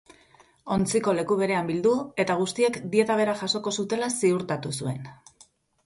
Ontziko leku berean bildu, eta guztiek dieta bera jasoko zutela ziurtatu zuen.